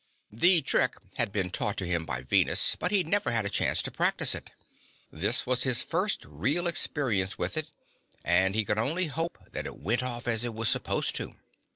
The trick had been taught to him by Venus, but he'd never had a chance to practice it. This was his first real experience with it, and he could only hope that it went off as it was supposed to.